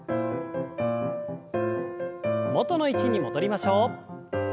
元の位置に戻りましょう。